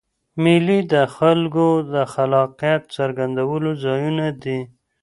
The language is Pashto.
مېلې د خلکو د خلاقیت څرګندولو ځایونه دي.